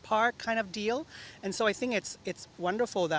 jadi saya pikir ini sangat menakjubkan